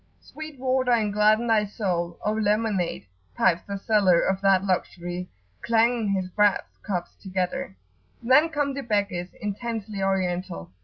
"Sweet water, and gladden thy soul, O lemonade!" pipes the seller of that luxury, clanging his brass cups together. Then come the beggars, intensely Oriental.